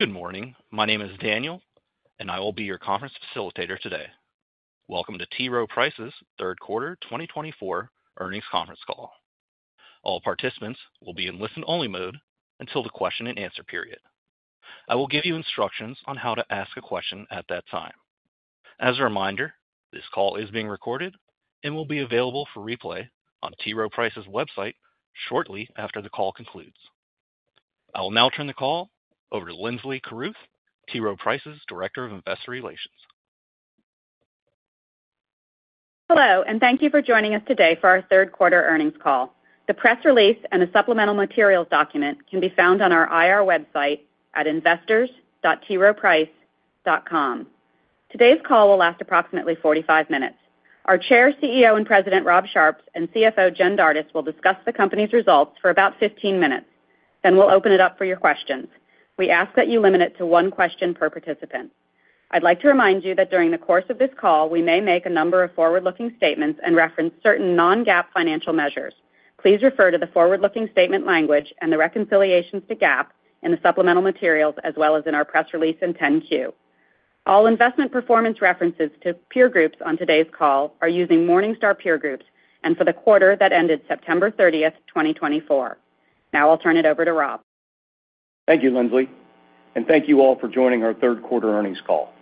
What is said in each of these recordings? Good morning. My name is Daniel, and I will be your conference facilitator today. Welcome to T. Rowe Price's third quarter 2024 earnings conference call. All participants will be in listen-only mode until the question-and-answer period. I will give you instructions on how to ask a question at that time. As a reminder, this call is being recorded and will be available for replay on T. Rowe Price's website shortly after the call concludes. I will now turn the call over to Linsley Carruth, T. Rowe Price's Director of Investor Relations. Hello, and thank you for joining us today for our third quarter earnings call. The press release and a supplemental materials document can be found on our IR website at investors.troweprice.com. Today's call will last approximately 45 minutes. Our Chair, CEO, and President, Rob Sharps, and CFO, Jen Dardis, will discuss the company's results for about 15 minutes. Then we'll open it up for your questions. We ask that you limit it to one question per participant. I'd like to remind you that during the course of this call, we may make a number of forward-looking statements and reference certain non-GAAP financial measures. Please refer to the forward-looking statement language and the reconciliations to GAAP in the supplemental materials, as well as in our press release and 10-Q. All investment performance references to peer groups on today's call are using Morningstar peer groups and for the quarter that ended September 30th, 2024. Now I'll turn it over to Rob. Thank you, Linsley, and thank you all for joining our third quarter earnings call.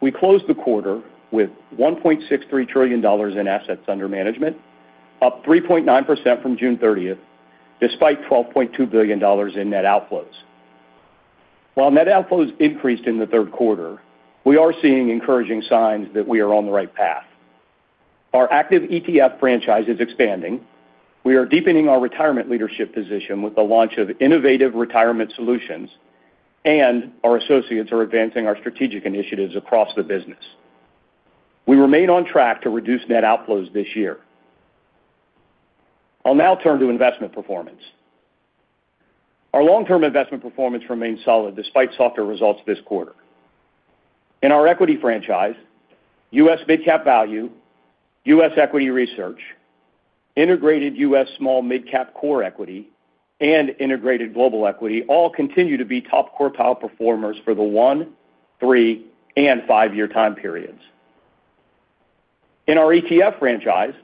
We closed the quarter with $1.63 trillion in assets under management, up 3.9% from June 30th, despite $12.2 billion in net outflows. While net outflows increased in the third quarter, we are seeing encouraging signs that we are on the right path. Our active ETF franchise is expanding. We are deepening our retirement leadership position with the launch of innovative retirement solutions, and our associates are advancing our strategic initiatives across the business. We remain on track to reduce net outflows this year. I'll now turn to investment performance. Our long-term investment performance remains solid despite softer results this quarter. In our equity franchise, U.S. Mid-Cap Value, U.S. Equity Research, Integrated U.S. Small-Mid Cap Core Equity, and Integrated Global Equity all continue to be top quartile performers for the one, three, and five-year time periods. In our ETF franchise,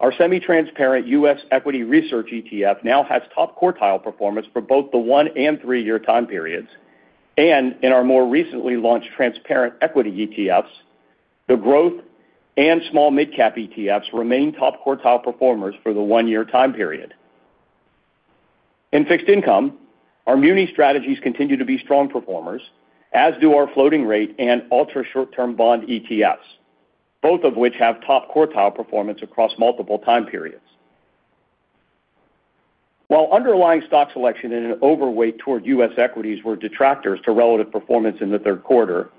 our semi-transparent U.S. equity research ETF now has top quartile performance for both the one and three-year time periods, and in our more recently launched transparent equity ETFs, the growth and small mid-cap ETFs remain top quartile performers for the one-year time period. In fixed income, our muni strategies continue to be strong performers, as do our floating rate and ultra-short-term bond ETFs, both of which have top quartile performance across multiple time periods. While underlying stock selection and an overweight toward U.S. equities were detractors to relative performance in the third quarter,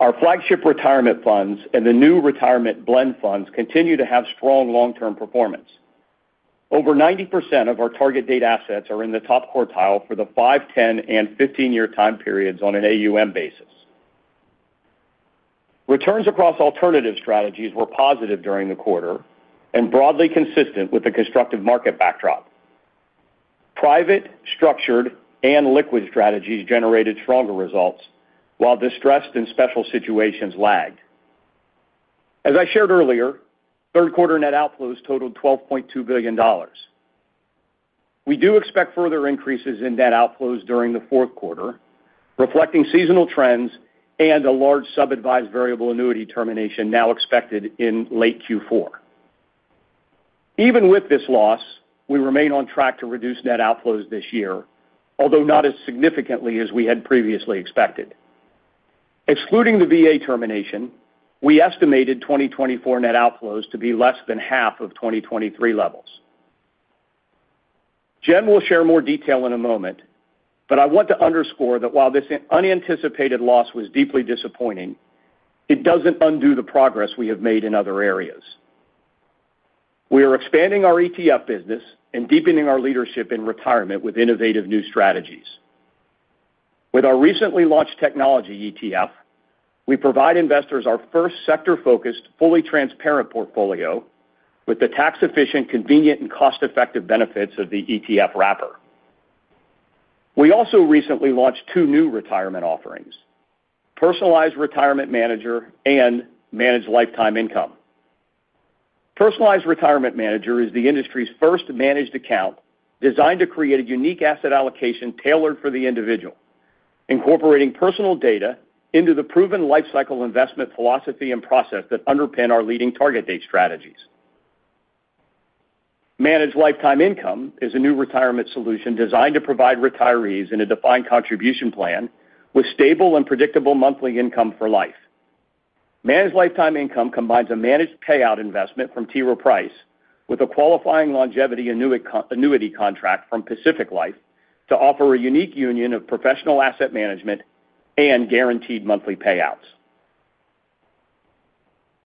our flagship retirement funds and the new retirement blend funds continue to have strong long-term performance. Over 90% of our target date assets are in the top quartile for the five, 10, and 15-year time periods on an AUM basis. Returns across alternative strategies were positive during the quarter and broadly consistent with the constructive market backdrop. Private, structured, and liquid strategies generated stronger results, while distressed and special situations lagged. As I shared earlier, third quarter net outflows totaled $12.2 billion. We do expect further increases in net outflows during the fourth quarter, reflecting seasonal trends and a large sub-advised variable annuity termination now expected in late Q4. Even with this loss, we remain on track to reduce net outflows this year, although not as significantly as we had previously expected. Excluding the VA termination, we estimated 2024 net outflows to be less than half of 2023 levels. Jen will share more detail in a moment, but I want to underscore that while this unanticipated loss was deeply disappointing, it doesn't undo the progress we have made in other areas. We are expanding our ETF business and deepening our leadership in retirement with innovative new strategies. With our recently launched technology ETF, we provide investors our first sector-focused, fully transparent portfolio with the tax-efficient, convenient, and cost-effective benefits of the ETF wrapper. We also recently launched two new retirement offerings: Personalized Retirement Manager and Managed Lifetime Income. Personalized Retirement Manager is the industry's first managed account designed to create a unique asset allocation tailored for the individual, incorporating personal data into the proven lifecycle investment philosophy and process that underpin our leading target date strategies. Managed Lifetime Income is a new retirement solution designed to provide retirees in a defined contribution plan with stable and predictable monthly income for life. Managed Lifetime Income combines a managed payout investment from T. Rowe Price with a qualifying longevity annuity contract from Pacific Life to offer a unique union of professional asset management and guaranteed monthly payouts.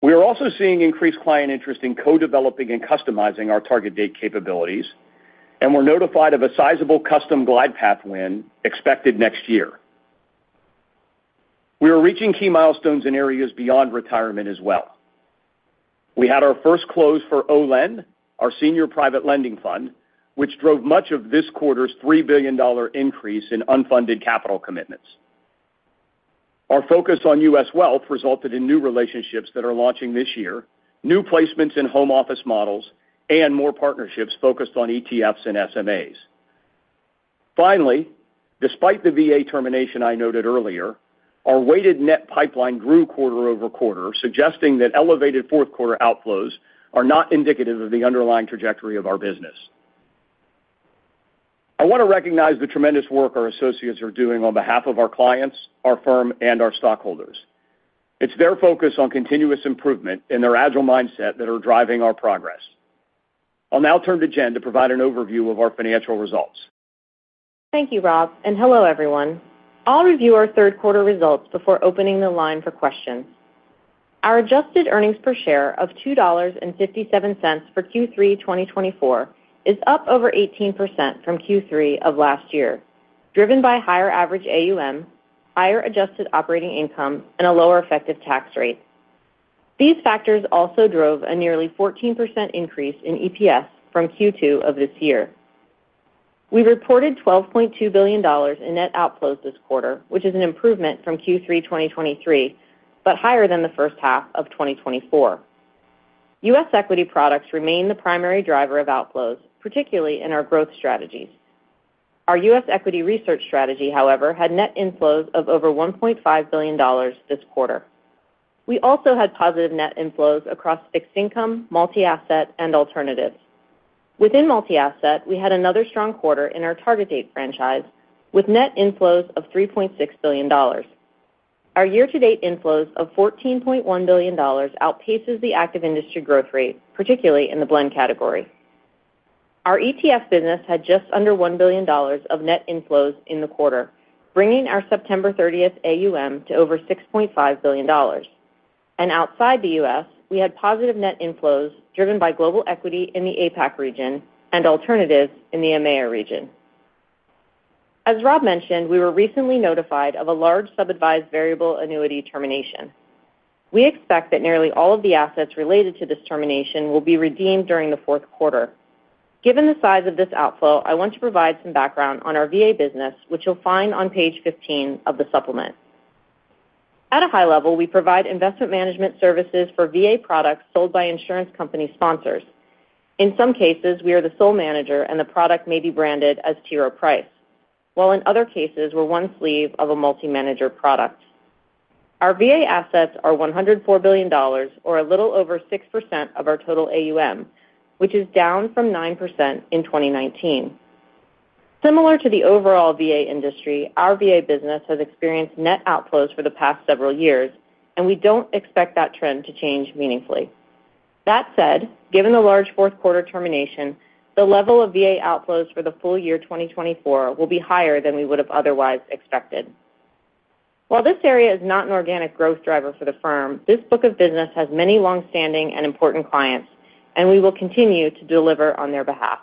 We are also seeing increased client interest in co-developing and customizing our target date capabilities, and we noted a sizable custom glide path win expected next year. We are reaching key milestones in areas beyond retirement as well. We had our first close for OLEN, our senior private lending fund, which drove much of this quarter's $3 billion increase in unfunded capital commitments. Our focus on U.S. wealth resulted in new relationships that are launching this year, new placements in home office models, and more partnerships focused on ETFs and SMAs. Finally, despite the VA termination I noted earlier, our weighted net pipeline grew quarter over quarter, suggesting that elevated fourth quarter outflows are not indicative of the underlying trajectory of our business. I want to recognize the tremendous work our associates are doing on behalf of our clients, our firm, and our stockholders. It's their focus on continuous improvement and their agile mindset that are driving our progress. I'll now turn to Jen to provide an overview of our financial results. Thank you, Rob, and hello, everyone. I'll review our third quarter results before opening the line for questions. Our adjusted earnings per share of $2.57 for Q3 2024 is up over 18% from Q3 of last year, driven by higher average AUM, higher adjusted operating income, and a lower effective tax rate. These factors also drove a nearly 14% increase in EPS from Q2 of this year. We reported $12.2 billion in net outflows this quarter, which is an improvement from Q3 2023, but higher than the first half of 2024. U.S. equity products remain the primary driver of outflows, particularly in our growth strategies. Our U.S. equity research strategy, however, had net inflows of over $1.5 billion this quarter. We also had positive net inflows across fixed income, multi-asset, and alternatives. Within multi-asset, we had another strong quarter in our target date franchise with net inflows of $3.6 billion. Our year-to-date inflows of $14.1 billion outpaces the active industry growth rate, particularly in the blend category. Our ETF business had just under $1 billion of net inflows in the quarter, bringing our September 30th AUM to over $6.5 billion. And outside the U.S., we had positive net inflows driven by global equity in the APAC region and alternatives in the EMEA region. As Rob mentioned, we were recently notified of a large sub-advised variable annuity termination. We expect that nearly all of the assets related to this termination will be redeemed during the fourth quarter. Given the size of this outflow, I want to provide some background on our VA business, which you'll find on page 15 of the supplement. At a high level, we provide investment management services for VA products sold by insurance company sponsors. In some cases, we are the sole manager, and the product may be branded as T. Rowe Price, while in other cases, we're one sleeve of a multi-manager product. Our VA assets are $104 billion, or a little over 6% of our total AUM, which is down from 9% in 2019. Similar to the overall VA industry, our VA business has experienced net outflows for the past several years, and we don't expect that trend to change meaningfully. That said, given the large fourth quarter termination, the level of VA outflows for the full year 2024 will be higher than we would have otherwise expected. While this area is not an organic growth driver for the firm, this book of business has many long-standing and important clients, and we will continue to deliver on their behalf.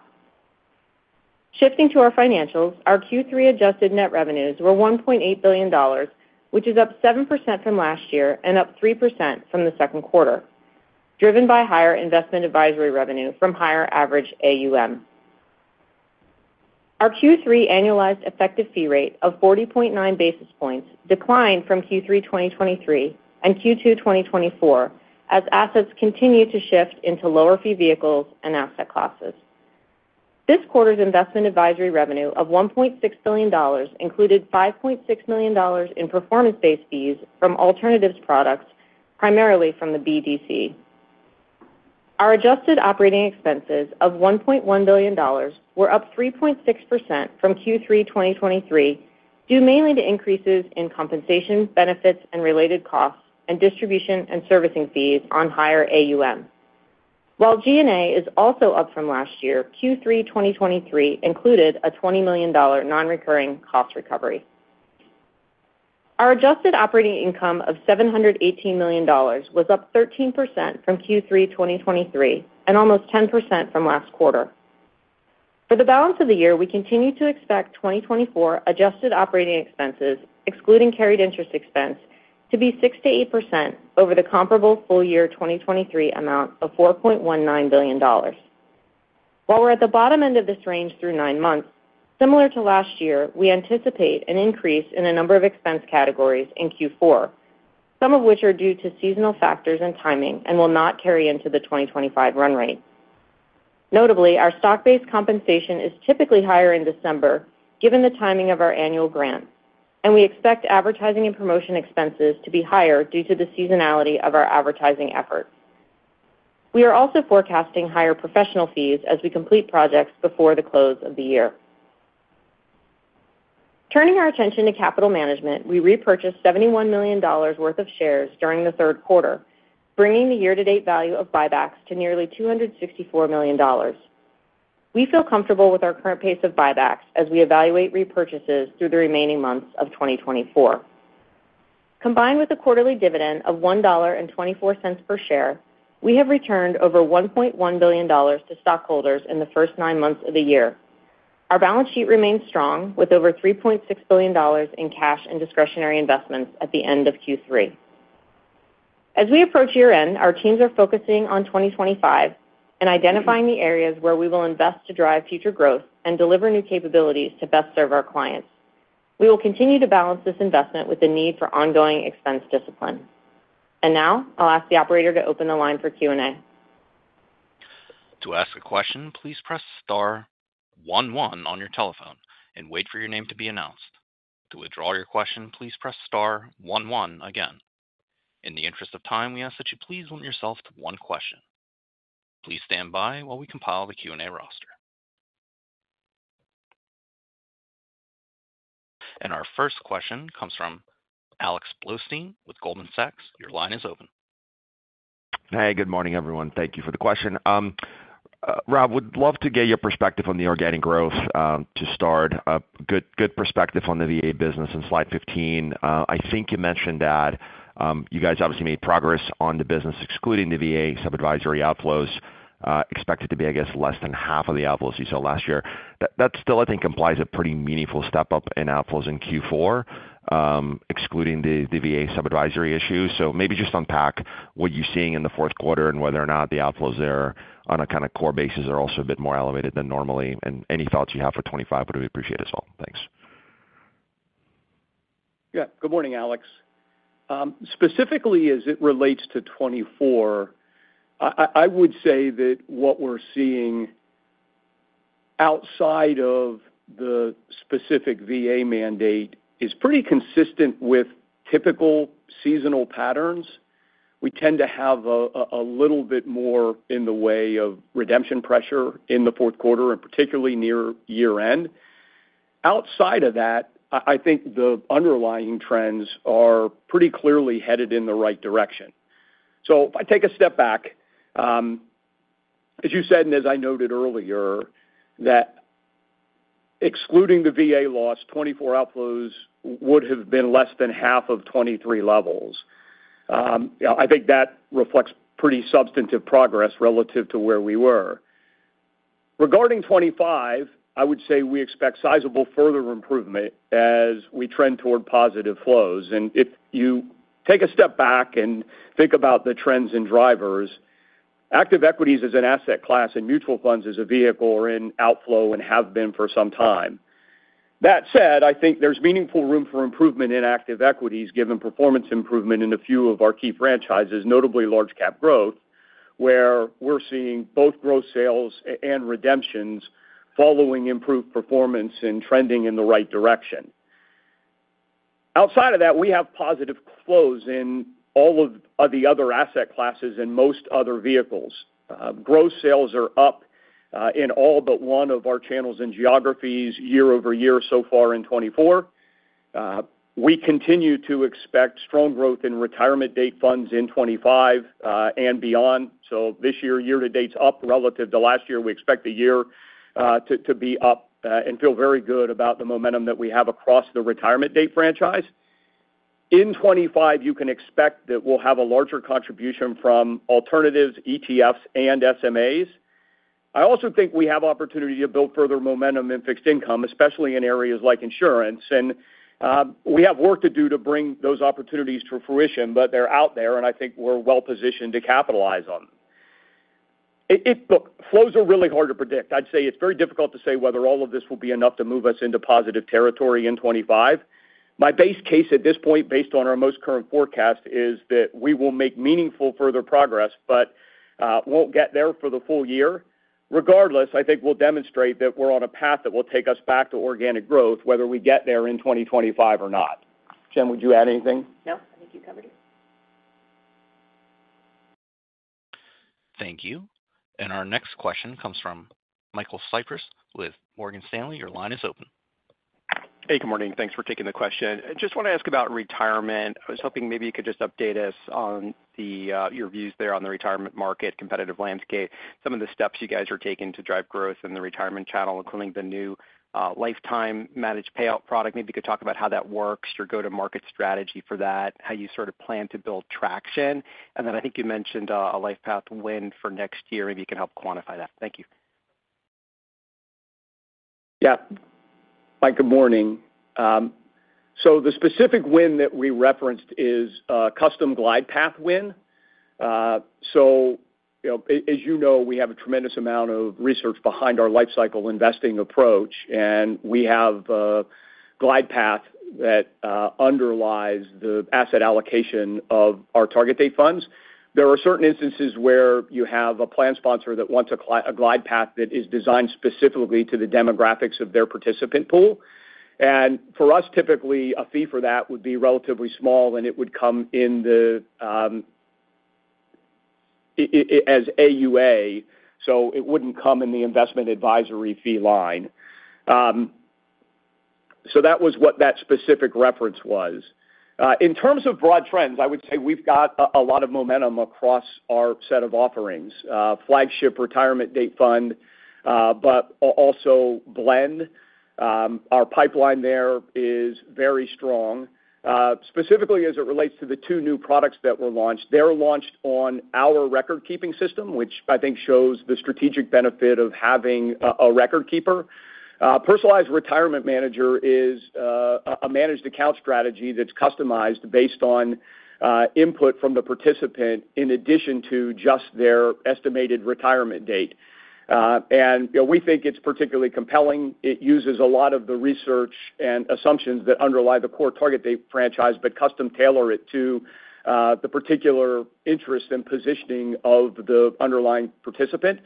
Shifting to our financials, our Q3 adjusted net revenues were $1.8 billion, which is up 7% from last year and up 3% from the second quarter, driven by higher investment advisory revenue from higher average AUM. Our Q3 annualized effective fee rate of 40.9 basis points declined from Q3 2023 and Q2 2024 as assets continue to shift into lower fee vehicles and asset classes. This quarter's investment advisory revenue of $1.6 billion included $5.6 million in performance-based fees from alternatives products, primarily from the BDC. Our adjusted operating expenses of $1.1 billion were up 3.6% from Q3 2023 due mainly to increases in compensation, benefits, and related costs, and distribution and servicing fees on higher AUM. While G&A is also up from last year, Q3 2023 included a $20 million non-recurring cost recovery. Our adjusted operating income of $718 million was up 13% from Q3 2023 and almost 10% from last quarter. For the balance of the year, we continue to expect 2024 adjusted operating expenses, excluding carried interest expense, to be 6%-8% over the comparable full year 2023 amount of $4.19 billion. While we're at the bottom end of this range through nine months, similar to last year, we anticipate an increase in a number of expense categories in Q4, some of which are due to seasonal factors and timing and will not carry into the 2025 run rate. Notably, our stock-based compensation is typically higher in December given the timing of our annual grants, and we expect advertising and promotion expenses to be higher due to the seasonality of our advertising efforts. We are also forecasting higher professional fees as we complete projects before the close of the year. Turning our attention to capital management, we repurchased $71 million worth of shares during the third quarter, bringing the year-to-date value of buybacks to nearly $264 million. We feel comfortable with our current pace of buybacks as we evaluate repurchases through the remaining months of 2024. Combined with a quarterly dividend of $1.24 per share, we have returned over $1.1 billion to stockholders in the first nine months of the year. Our balance sheet remains strong with over $3.6 billion in cash and discretionary investments at the end of Q3. As we approach year-end, our teams are focusing on 2025 and identifying the areas where we will invest to drive future growth and deliver new capabilities to best serve our clients. We will continue to balance this investment with the need for ongoing expense discipline. And now I'll ask the operator to open the line for Q&A. To ask a question, please press star 11 on your telephone and wait for your name to be announced. To withdraw your question, please press star 11 again. In the interest of time, we ask that you please limit yourself to one question. Please stand by while we compile the Q&A roster. And our first question comes from Alex Blustein with Goldman Sachs. Your line is open. Hey, good morning, everyone. Thank you for the question. Rob, would love to get your perspective on the organic growth, to start. Good perspective on the VA business in slide 15. I think you mentioned that, you guys obviously made progress on the business, excluding the VA sub-advisory outflows expected to be, I guess, less than half of the outflows you saw last year. That still, I think, implies a pretty meaningful step up in outflows in Q4, excluding the VA sub-advisory issue. So maybe just unpack what you're seeing in the fourth quarter and whether or not the outflows there on a kind of core basis are also a bit more elevated than normally. And any thoughts you have for '25 would we appreciate as well. Thanks. Yeah. Good morning, Alex. Specifically, as it relates to 2024, I would say that what we're seeing outside of the specific VA mandate is pretty consistent with typical seasonal patterns. We tend to have a little bit more in the way of redemption pressure in the fourth quarter, and particularly near year-end. Outside of that, I think the underlying trends are pretty clearly headed in the right direction. So if I take a step back, as you said, and as I noted earlier, that excluding the VA loss, 2024 outflows would have been less than half of 2023 levels. You know, I think that reflects pretty substantive progress relative to where we were. Regarding 2025, I would say we expect sizable further improvement as we trend toward positive flows. And if you take a step back and think about the trends and drivers, active equities as an asset class and mutual funds as a vehicle are in outflow and have been for some time. That said, I think there's meaningful room for improvement in active equities given performance improvement in a few of our key franchises, notably large cap growth, where we're seeing both gross sales and redemptions following improved performance and trending in the right direction. Outside of that, we have positive flows in all of the other asset classes and most other vehicles. Gross sales are up in all but one of our channels and geographies year over year so far in 2024. We continue to expect strong growth in retirement date funds in 2025 and beyond. So this year, year-to-date's up relative to last year. We expect the year to be up and feel very good about the momentum that we have across the retirement date franchise. In 2025, you can expect that we'll have a larger contribution from alternatives, ETFs, and SMAs. I also think we have opportunity to build further momentum in fixed income, especially in areas like insurance. We have work to do to bring those opportunities to fruition, but they're out there, and I think we're well-positioned to capitalize on them. Look, flows are really hard to predict. I'd say it's very difficult to say whether all of this will be enough to move us into positive territory in 2025. My base case at this point, based on our most current forecast, is that we will make meaningful further progress, but won't get there for the full year. Regardless, I think we'll demonstrate that we're on a path that will take us back to organic growth, whether we get there in 2025 or not. Jen, would you add anything? Nope. I think you covered it. Thank you. And our next question comes from Michael Cyprys with Morgan Stanley. Your line is open. Hey, good morning. Thanks for taking the question. I just want to ask about retirement. I was hoping maybe you could just update us on your views there on the retirement market, competitive landscape, some of the steps you guys are taking to drive growth in the retirement channel, including the new Managed Lifetime Income product. Maybe you could talk about how that works, your go-to-market strategy for that, how you sort of plan to build traction. And then I think you mentioned a Lifepath win for next year. Maybe you can help quantify that. Thank you. Yeah. Hi, good morning. So the specific win that we referenced is custom glide path win. So, you know, as you know, we have a tremendous amount of research behind our life cycle investing approach, and we have a glide path that underlies the asset allocation of our target date funds. There are certain instances where you have a plan sponsor that wants a glide path that is designed specifically to the demographics of their participant pool. And for us, typically, a fee for that would be relatively small, and it would come in as AUA. So it wouldn't come in the investment advisory fee line. So that was what that specific reference was. In terms of broad trends, I would say we've got a lot of momentum across our set of offerings, flagship retirement date fund, but also blend. Our pipeline there is very strong, specifically as it relates to the two new products that were launched. They're launched on our record-keeping system, which I think shows the strategic benefit of having a record keeper. Personalized Retirement Manager is a managed account strategy that's customized based on input from the participant in addition to just their estimated retirement date. You know, we think it's particularly compelling. It uses a lot of the research and assumptions that underlie the core target date franchise, but custom-tailor it to the particular interest and positioning of the underlying participant.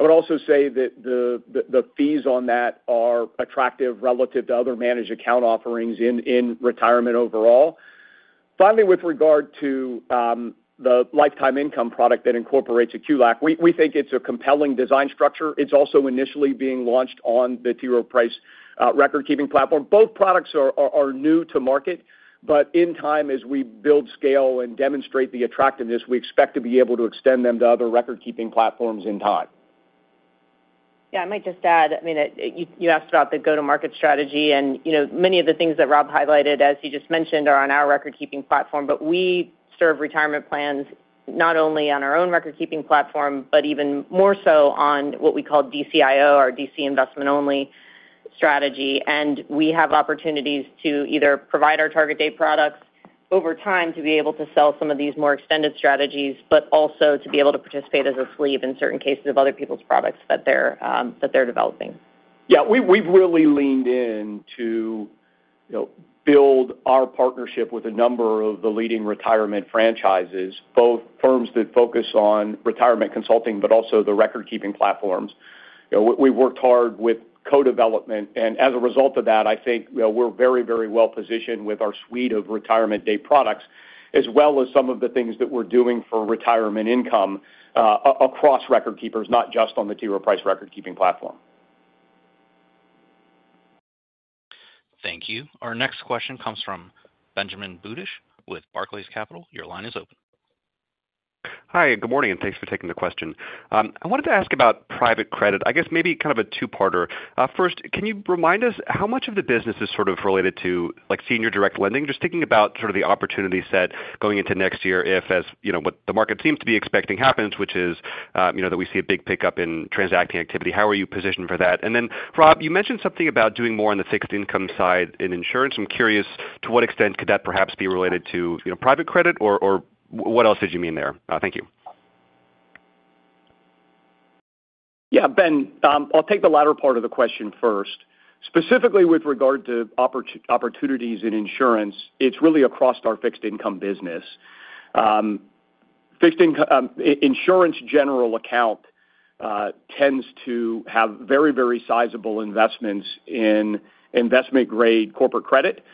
I would also say that the fees on that are attractive relative to other managed account offerings in retirement overall. Finally, with regard to the lifetime income product that incorporates a QLAC, we think it's a compelling design structure. It's also initially being launched on the T. Rowe Price record-keeping platform. Both products are new to market, but in time, as we build scale and demonstrate the attractiveness, we expect to be able to extend them to other record-keeping platforms in time. Yeah. I might just add, I mean, you, you asked about the go-to-market strategy, and, you know, many of the things that Rob highlighted, as he just mentioned, are on our record-keeping platform, but we serve retirement plans not only on our own record-keeping platform, but even more so on what we call DCIO, our DC investment-only strategy. And we have opportunities to either provide our target date products over time to be able to sell some of these more extended strategies, but also to be able to participate as a sleeve in certain cases of other people's products that they're, that they're developing. Yeah. We've really leaned in to, you know, build our partnership with a number of the leading retirement franchises, both firms that focus on retirement consulting, but also the record-keeping platforms. You know, we've worked hard with co-development, and as a result of that, I think, you know, we're very, very well-positioned with our suite of target date products, as well as some of the things that we're doing for retirement income, across record keepers, not just on the T. Rowe Price record-keeping platform. Thank you. Our next question comes from Benjamin Buddish with Barclays. Your line is open. Hi, good morning, and thanks for taking the question. I wanted to ask about private credit. I guess maybe kind of a two-parter. First, can you remind us how much of the business is sort of related to, like, senior direct lending? Just thinking about sort of the opportunity set going into next year if, as, you know, what the market seems to be expecting happens, which is, you know, that we see a big pickup in transacting activity. How are you positioned for that? And then, Rob, you mentioned something about doing more on the fixed income side in insurance. I'm curious to what extent could that perhaps be related to, you know, private credit or, or what else did you mean there? Thank you. Yeah, Ben, I'll take the latter part of the question first. Specifically with regard to opportunities in insurance, it's really across our fixed income business. Fixed income, insurance general account, tends to have very, very sizable investments in investment-grade corporate credit.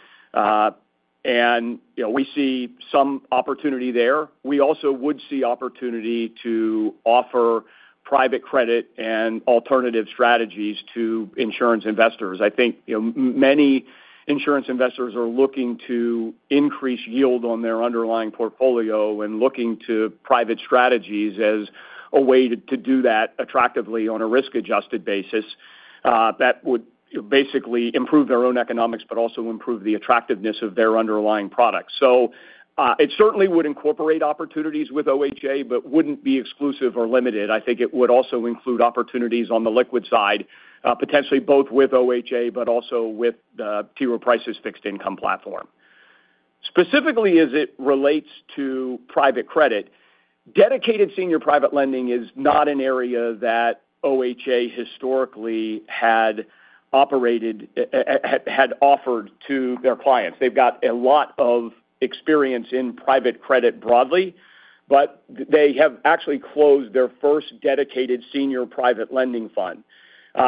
And, you know, we see some opportunity there. We also would see opportunity to offer private credit and alternative strategies to insurance investors. I think, you know, many insurance investors are looking to increase yield on their underlying portfolio and looking to private strategies as a way to do that attractively on a risk-adjusted basis. That would, you know, basically improve their own economics, but also improve the attractiveness of their underlying products. So, it certainly would incorporate opportunities with OHA, but wouldn't be exclusive or limited. I think it would also include opportunities on the liquid side, potentially both with OHA, but also with the T. Rowe Price's fixed income platform. Specifically, as it relates to private credit, dedicated senior private lending is not an area that OHA historically had operated, had offered to their clients. They've got a lot of experience in private credit broadly, but they have actually closed their first dedicated senior private lending fund. You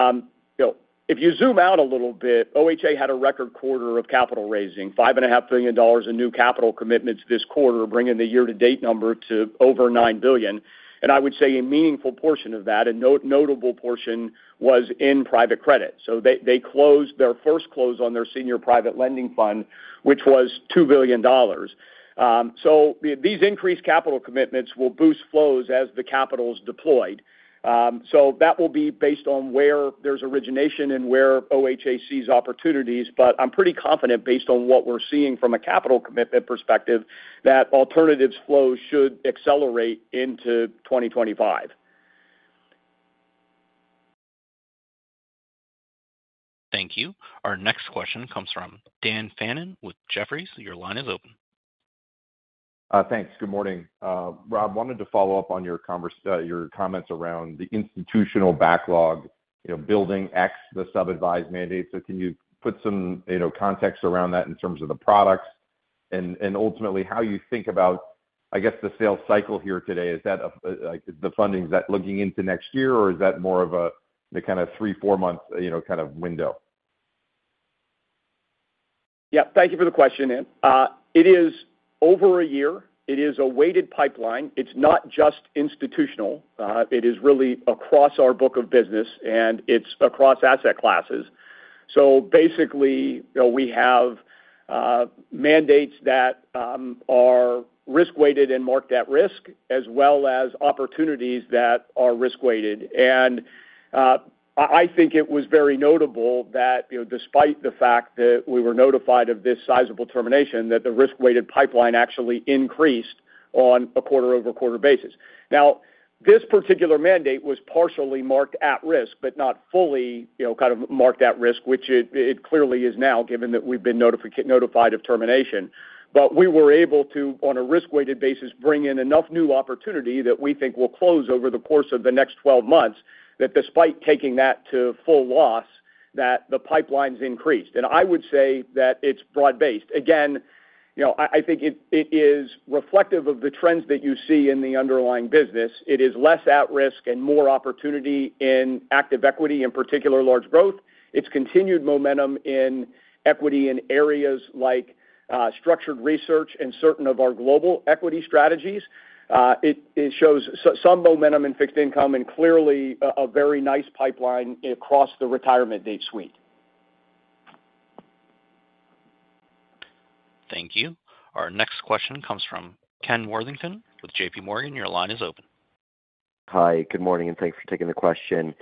know, if you zoom out a little bit, OHA had a record quarter of capital raising, $5.5 billion in new capital commitments this quarter, bringing the year-to-date number to over $9 billion. And I would say a meaningful portion of that, a notable portion, was in private credit. So they closed their first close on their senior private lending fund, which was $2 billion. So these increased capital commitments will boost flows as the capital's deployed. So that will be based on where there's origination and where OHA sees opportunities, but I'm pretty confident, based on what we're seeing from a capital commitment perspective, that alternatives flows should accelerate into 2025. Thank you. Our next question comes from Dan Fannon with Jefferies. Your line is open. Thanks. Good morning. Rob, wanted to follow up on your conversation, your comments around the institutional backlog, you know, building, the sub-advised mandate. So can you put some, you know, context around that in terms of the products and ultimately how you think about, I guess, the sales cycle here today? Is that a like, the fundings that's looking into next year, or is that more of a, you know, kind of 3-4 month, you know, kind of window? Yeah. Thank you for the question, Ann. It is over a year. It is a weighted pipeline. It's not just institutional. It is really across our book of business, and it's across asset classes. So basically, you know, we have mandates that are risk-weighted and marked at risk, as well as opportunities that are risk-weighted. And I think it was very notable that, you know, despite the fact that we were notified of this sizable termination, that the risk-weighted pipeline actually increased on a quarter-over-quarter basis. Now, this particular mandate was partially marked at risk, but not fully, you know, kind of marked at risk, which it clearly is now, given that we've been notified of termination. But we were able to, on a risk-weighted basis, bring in enough new opportunity that we think will close over the course of the next 12 months, that despite taking that to full loss, that the pipeline's increased. And I would say that it's broad-based. Again, you know, I think it is reflective of the trends that you see in the underlying business. It is less at risk and more opportunity in active equity, in particular large growth. It's continued momentum in equity in areas like structured research and certain of our global equity strategies. It shows some momentum in fixed income and clearly a very nice pipeline across the target date suite. Thank you. Our next question comes from Ken Worthington with J.P. Morgan. Your line is open. Hi, good morning, and thanks for taking the question.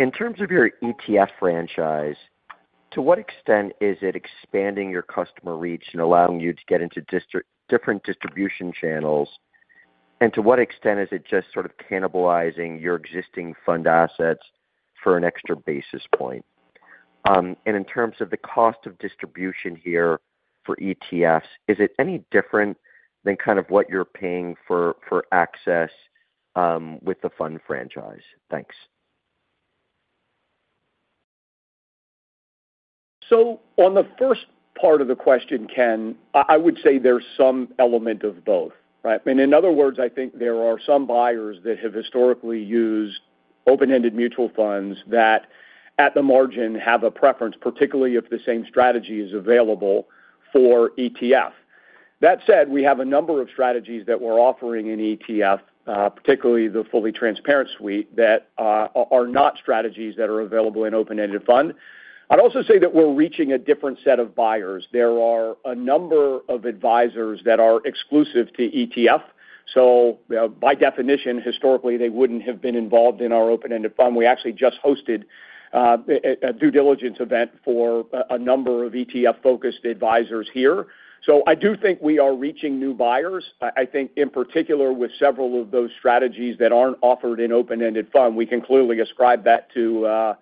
In terms of your ETF franchise, to what extent is it expanding your customer reach and allowing you to get into different distribution channels? To what extent is it just sort of cannibalizing your existing fund assets for an extra basis point, and in terms of the cost of distribution here for ETFs, is it any different than kind of what you're paying for, for access, with the fund franchise? Thanks. So on the first part of the question, Ken, I would say there's some element of both, right? I mean, in other words, I think there are some buyers that have historically used open-ended mutual funds that, at the margin, have a preference, particularly if the same strategy is available for ETF. That said, we have a number of strategies that we're offering in ETF, particularly the fully transparent suite, that are not strategies that are available in open-ended fund. I'd also say that we're reaching a different set of buyers. There are a number of advisors that are exclusive to ETF. So, you know, by definition, historically, they wouldn't have been involved in our open-ended fund. We actually just hosted a due diligence event for a number of ETF-focused advisors here. So I do think we are reaching new buyers. I think, in particular, with several of those strategies that aren't offered in open-ended fund, we can clearly ascribe that to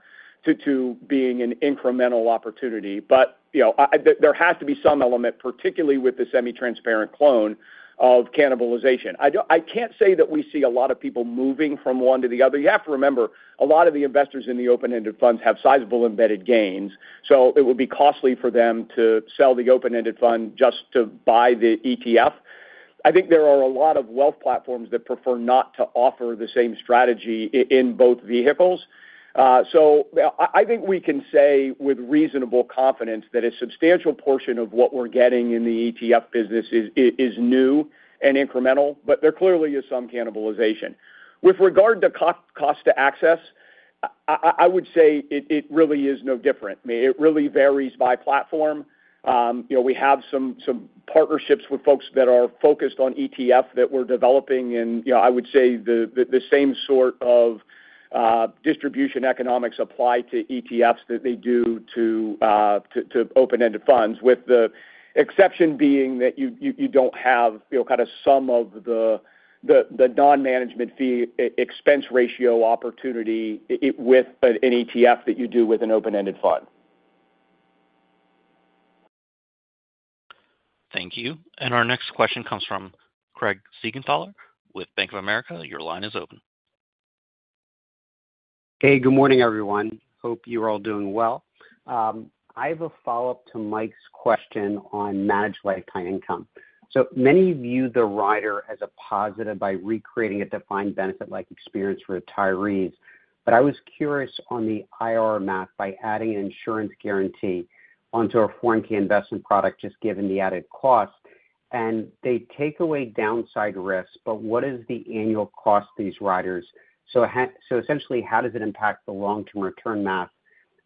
being an incremental opportunity. But, you know, there has to be some element, particularly with the semi-transparent clone, of cannibalization. I can't say that we see a lot of people moving from one to the other. You have to remember, a lot of the investors in the open-ended funds have sizable embedded gains, so it would be costly for them to sell the open-ended fund just to buy the ETF. I think there are a lot of wealth platforms that prefer not to offer the same strategy in both vehicles. So, you know, I think we can say with reasonable confidence that a substantial portion of what we're getting in the ETF business is new and incremental, but there clearly is some cannibalization. With regard to cost to access, I would say it really is no different. I mean, it really varies by platform. You know, we have some partnerships with folks that are focused on ETF that we're developing, and, you know, I would say the same sort of distribution economics apply to ETFs that they do to open-ended funds, with the exception being that you don't have, you know, kind of some of the non-management fee expense ratio opportunity it with an ETF that you do with an open-ended fund. Thank you. And our next question comes from Craig Siegenthaler with Bank of America. Your line is open. Hey, good morning, everyone. Hope you're all doing well. I have a follow-up to Mike's question on Managed Lifetime Income. So many view the rider as a positive by recreating a defined benefit-like experience for retirees, but I was curious on the IRR math by adding an insurance guarantee onto a DC investment product, just given the added cost, and they take away downside risk, but what is the annual cost to these riders? So essentially, how does it impact the long-term return math?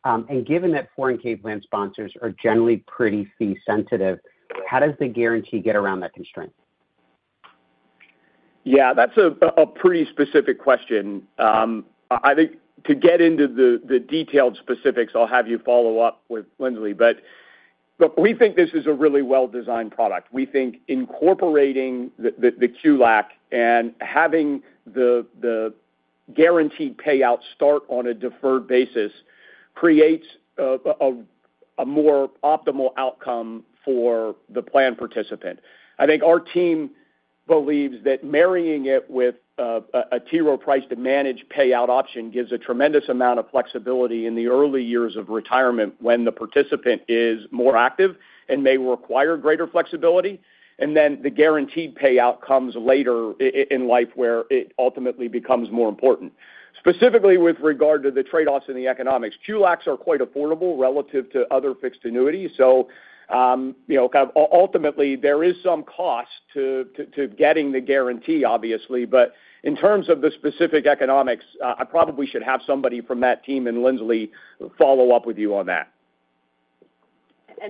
And given that DC plan sponsors are generally pretty fee-sensitive, how does the guarantee get around that constraint? Yeah. That's a pretty specific question. I think to get into the detailed specifics, I'll have you follow up with Linsley, but we think this is a really well-designed product. We think incorporating the QLAC and having the guaranteed payout start on a deferred basis creates a more optimal outcome for the plan participant. I think our team believes that marrying it with a T. Rowe Price to manage payout option gives a tremendous amount of flexibility in the early years of retirement when the participant is more active and may require greater flexibility. And then the guaranteed payout comes later in life where it ultimately becomes more important. Specifically with regard to the trade-offs in the economics, QLACs are quite affordable relative to other fixed annuities. You know, kind of ultimately, there is some cost to getting the guarantee, obviously, but in terms of the specific economics, I probably should have somebody from that team in Linsley follow up with you on that.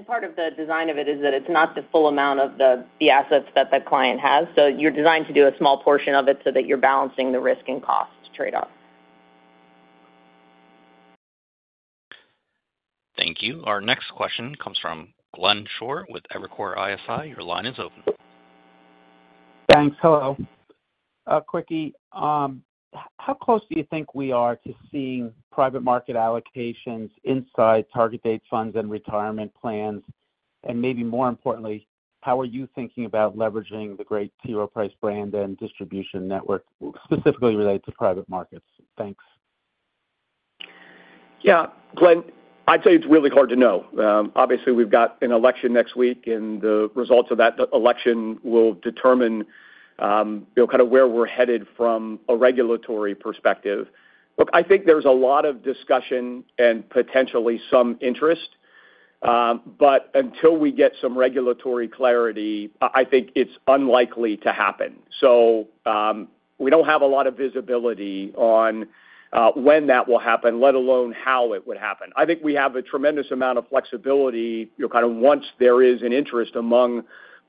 Part of the design of it is that it's not the full amount of the assets that the client has. So you're designed to do a small portion of it so that you're balancing the risk and cost trade-off. Thank you. Our next question comes from Glenn Schorr with Evercore ISI. Your line is open. Thanks. Hello. Quickie, how close do you think we are to seeing private market allocations inside target date funds and retirement plans? And maybe more importantly, how are you thinking about leveraging the great T. Rowe Price brand and distribution network, specifically related to private markets? Thanks. Yeah. Glenn, I'd say it's really hard to know. Obviously, we've got an election next week, and the results of that election will determine, you know, kind of where we're headed from a regulatory perspective. Look, I think there's a lot of discussion and potentially some interest, but until we get some regulatory clarity, I, I think it's unlikely to happen. So, we don't have a lot of visibility on when that will happen, let alone how it would happen. I think we have a tremendous amount of flexibility, you know, kind of once there is an interest among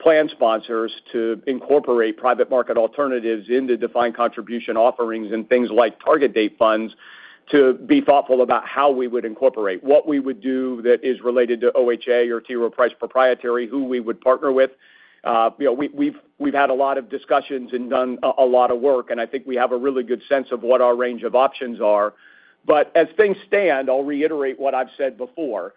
plan sponsors to incorporate private market alternatives into defined contribution offerings and things like target date funds to be thoughtful about how we would incorporate. What we would do that is related to OHA or T. Rowe Price proprietary, who we would partner with, you know, we've had a lot of discussions and done a lot of work, and I think we have a really good sense of what our range of options are. But as things stand, I'll reiterate what I've said before.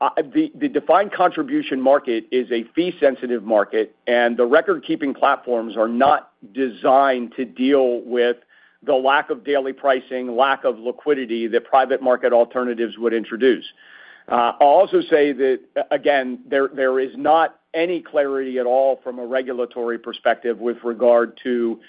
The defined contribution market is a fee-sensitive market, and the record-keeping platforms are not designed to deal with the lack of daily pricing, lack of liquidity that private market alternatives would introduce. I'll also say that, again, there is not any clarity at all from a regulatory perspective with regard to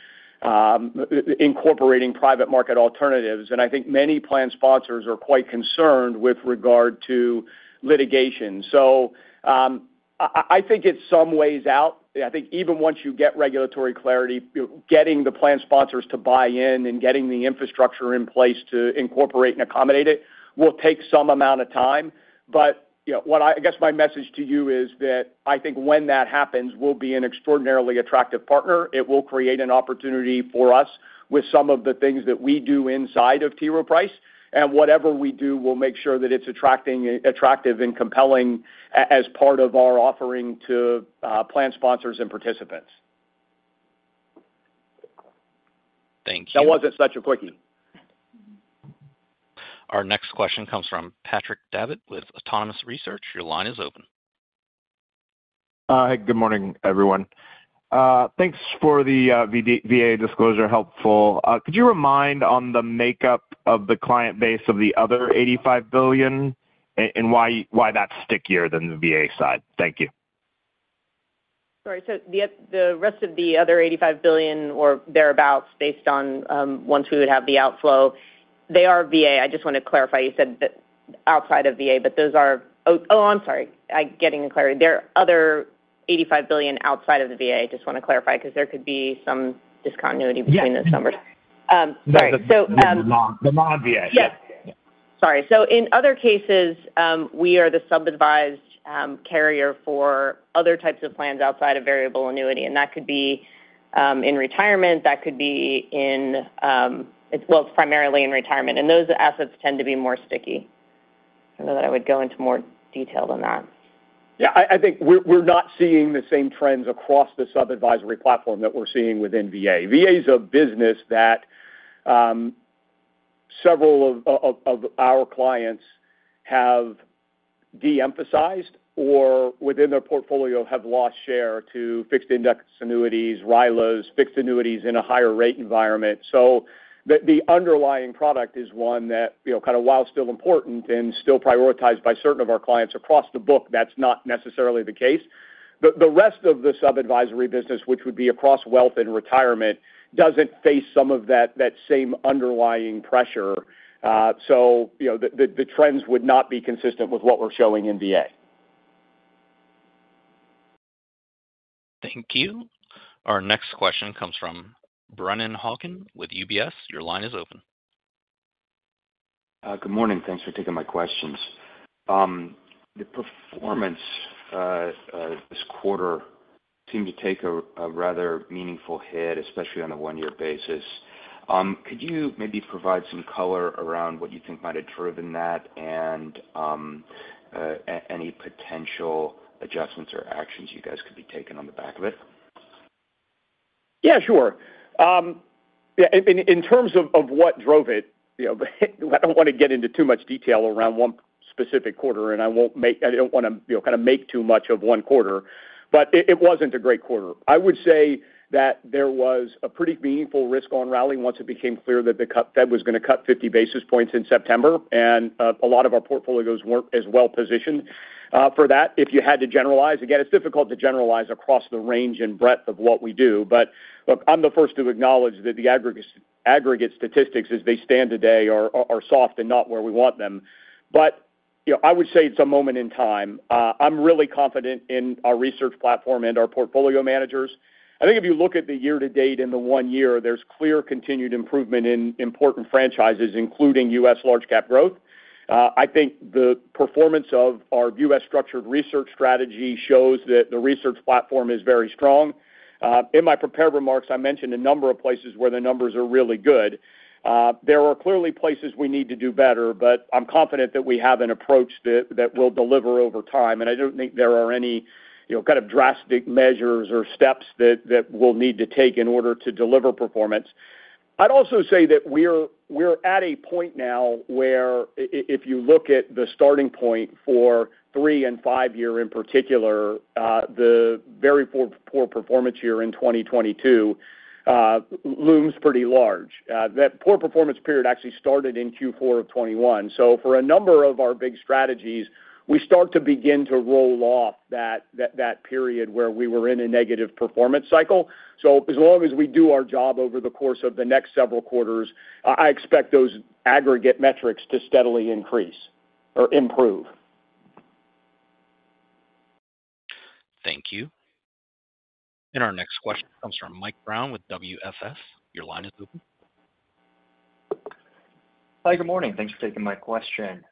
incorporating private market alternatives, and I think many plan sponsors are quite concerned with regard to litigation. So, I think it's some ways out. I think even once you get regulatory clarity, you know, getting the plan sponsors to buy in and getting the infrastructure in place to incorporate and accommodate it will take some amount of time. But, you know, what I guess my message to you is that I think when that happens, we'll be an extraordinarily attractive partner. It will create an opportunity for us with some of the things that we do inside of T. Rowe Price, and whatever we do, we'll make sure that it's attracting and attractive and compelling as part of our offering to plan sponsors and participants. Thank you. That wasn't such a Quickie. Our next question comes from Patrick Davitt with Autonomous Research. Your line is open. Hey, good morning, everyone. Thanks for the VA disclosure, helpful. Could you remind on the makeup of the client base of the other $85 billion and why, why that's stickier than the VA side? Thank you. Sorry. So the rest of the other $85 billion or thereabouts, based on, once we would have the outflow, they are VA. I just want to clarify. You said that outside of VA, but those are, oh, I'm sorry. I'm getting clarity. There are the other $85 billion outside of the VA. I just want to clarify because there could be some discontinuity between those numbers. Yeah. Yeah. sorry. So, The non-VA. Yeah. Yeah. Sorry. So in other cases, we are the sub-advised carrier for other types of plans outside of variable annuity, and that could be in retirement. That could be in, well, it's primarily in retirement, and those assets tend to be more sticky. I know that I would go into more detail than that. Yeah. I think we're not seeing the same trends across the sub-advisory platform that we're seeing within VA. VA's a business that several of our clients have de-emphasized or within their portfolio have lost share to fixed index annuities, RILOs, fixed annuities in a higher rate environment, so the underlying product is one that, you know, kind of while still important and still prioritized by certain of our clients across the book, that's not necessarily the case. The rest of the sub-advisory business, which would be across wealth and retirement, doesn't face some of that same underlying pressure, so you know, the trends would not be consistent with what we're showing in VA. Thank you. Our next question comes from Brennan Hawkin with UBS. Your line is open. Good morning. Thanks for taking my questions. The performance this quarter seemed to take a rather meaningful hit, especially on a one-year basis. Could you maybe provide some color around what you think might have driven that and any potential adjustments or actions you guys could be taking on the back of it? Yeah, sure. Yeah, in terms of what drove it, you know, I don't want to get into too much detail around one specific quarter, and I don't want to, you know, kind of make too much of one quarter, but it wasn't a great quarter. I would say that there was a pretty meaningful risk-on rally once it became clear that the Fed was going to cut 50 basis points in September, and a lot of our portfolios weren't as well-positioned for that. If you had to generalize, again, it's difficult to generalize across the range and breadth of what we do, but look, I'm the first to acknowledge that the aggregate statistics, as they stand today, are soft and not where we want them. But, you know, I would say at some moment in time, I'm really confident in our research platform and our portfolio managers. I think if you look at the year-to-date and the one year, there's clear continued improvement in important franchises, including U.S. Large-Cap Growth. I think the performance of our U.S. Structured Research strategy shows that the research platform is very strong. In my prepared remarks, I mentioned a number of places where the numbers are really good. There are clearly places we need to do better, but I'm confident that we have an approach that will deliver over time, and I don't think there are any, you know, kind of drastic measures or steps that we'll need to take in order to deliver performance. I'd also say that we're at a point now where if you look at the starting point for three- and five-year in particular, the very poor performance year in 2022 looms pretty large. That poor performance period actually started in Q4 of 2021. So for a number of our big strategies, we start to begin to roll off that period where we were in a negative performance cycle. So as long as we do our job over the course of the next several quarters, I expect those aggregate metrics to steadily increase or improve. Thank you. And our next question comes from Mike Brown with WSS. Your line is open. Hi, good morning. Thanks for taking my question.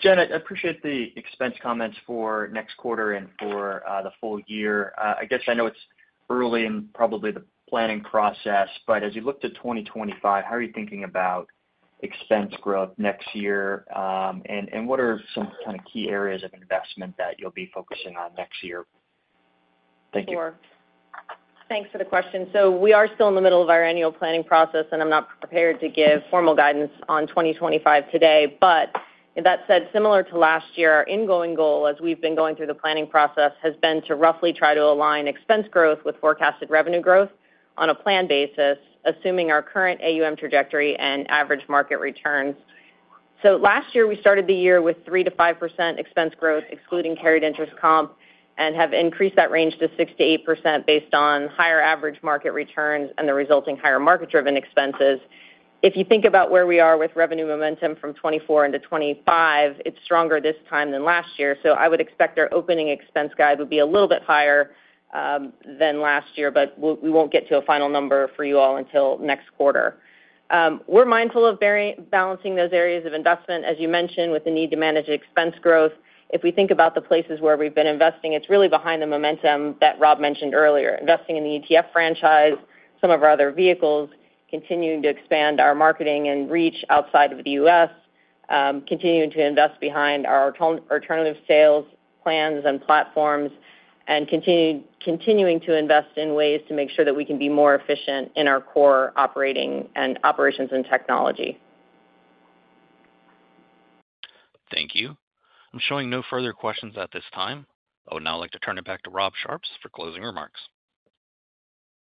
Jen, I appreciate the expense comments for next quarter and for the full year. I guess I know it's early in probably the planning process, but as you look to 2025, how are you thinking about expense growth next year, and what are some kind of key areas of investment that you'll be focusing on next year? Thank you. Sure. Thanks for the question. So we are still in the middle of our annual planning process, and I'm not prepared to give formal guidance on 2025 today. But that said, similar to last year, our ingoing goal, as we've been going through the planning process, has been to roughly try to align expense growth with forecasted revenue growth on a planned basis, assuming our current AUM trajectory and average market returns. So last year, we started the year with 3%-5% expense growth, excluding carried interest comp, and have increased that range to 6%-8% based on higher average market returns and the resulting higher market-driven expenses. If you think about where we are with revenue momentum from 2024 into 2025, it's stronger this time than last year. I would expect our opening expense guide would be a little bit higher than last year, but we won't get to a final number for you all until next quarter. We're mindful of carefully balancing those areas of investment, as you mentioned, with the need to manage expense growth. If we think about the places where we've been investing, it's really behind the momentum that Rob mentioned earlier, investing in the ETF franchise, some of our other vehicles, continuing to expand our marketing and reach outside of the U.S., continuing to invest behind our alternative sales plans and platforms, and continuing to invest in ways to make sure that we can be more efficient in our core operations and technology. Thank you. I'm showing no further questions at this time. I would now like to turn it back to Rob Sharps for closing remarks.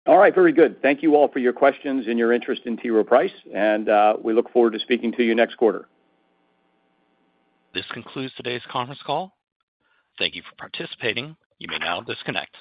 All right. Very good. Thank you all for your questions and your interest in T. Rowe Price, and we look forward to speaking to you next quarter. This concludes today's conference call. Thank you for participating. You may now disconnect.